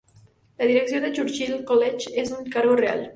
La dirección del Churchill College es un cargo Real.